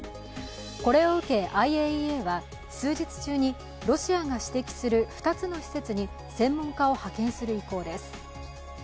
これを受け、ＩＡＥＡは数日中にロシアが指摘する２つの施設に専門家を派遣する意向です。